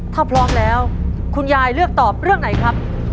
ถ้าพร้อมแล้วคุณยายเลือกตอบเรื่องไหนครับ